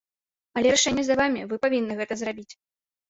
Але рашэнне за вамі, вы павінны гэта зрабіць.